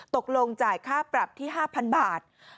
ตกลงจ่ายค่าปรับที่๕๐๐บาท